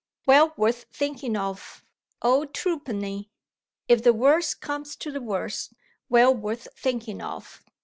Well worth thinking of, old Truepenny! If the worst comes to the worst, well worth thinking of!"